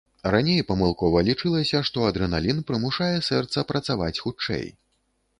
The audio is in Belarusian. Раней памылкова лічылася, што адрэналін прымушае сэрца працаваць хутчэй.